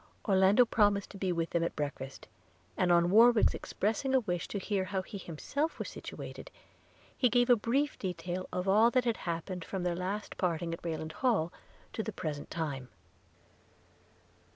Orlando promised to be with them at breakfast; and on Warwick's expressing a wish to hear how he was himself situated, he gave a brief detail of all that had happened from their last parting at Rayland Hall to the present time.